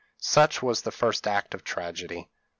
Such was the first act of the tragedy.